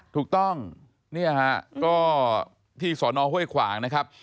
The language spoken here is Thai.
ถูกต้องนี่ฮะก็ที่สนเฮ่ยขวางนะครับ